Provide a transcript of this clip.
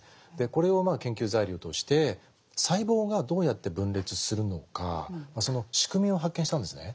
これを研究材料として細胞がどうやって分裂するのかその仕組みを発見したんですね。